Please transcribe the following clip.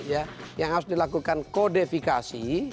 ya yang harus dilakukan kodifikasi